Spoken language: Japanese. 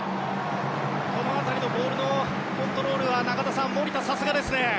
この辺りのボールのコントロールは中田さん、守田がさすがですね。